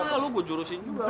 kok lu buat jurusin juga